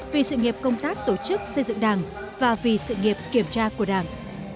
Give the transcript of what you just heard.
vì sự nghiệp công tác tổ chức xây dựng đảng và vì sự nghiệp kiểm tra của đảng